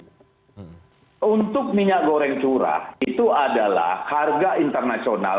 karena logikanya begini untuk minyak goreng curah itu adalah harga internasional